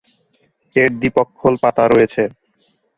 এর দ্বি-পক্ষল পাতা রয়েছে।